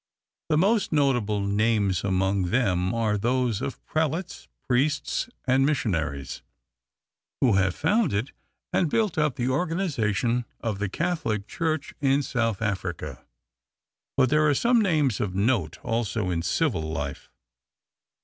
The most notable names among them are those of prelates, priests, and missionaries, who have founded and built up the organization of the Catholic Church in South Africa. But there are some names of note also in civil life.